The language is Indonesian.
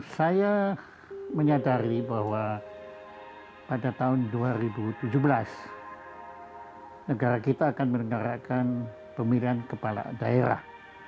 saya menyadari bahwa pada tahun dua ribu tujuh belas negara kita akan menerakkan pemilihan kepala daerah